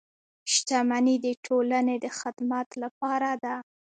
• شتمني د ټولنې د خدمت لپاره ده.